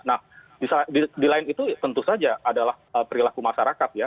nah di lain itu tentu saja adalah perilaku masyarakat ya